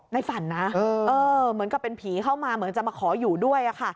ในฝันนะเหมือนกับเป็นผีเข้ามาเหมือนจะมาขออยู่ด้วย